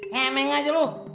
ngemeng aja lu